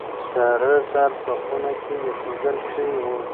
سره زر په خونه کې ايښودل شوي دي.